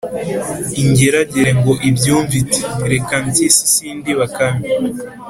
Ingeragere ngo ibyumve iti “Reka Mpyisi sindi Bakame